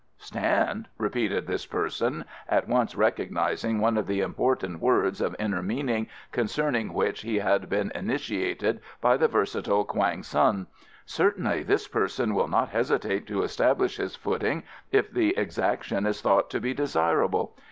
"Stand?" repeated this person, at once recognising one of the important words of inner meaning concerning which he had been initiated by the versatile Quang Tsun. "Certainly this person will not hesitate to establish his footing if the exaction is thought to be desirable.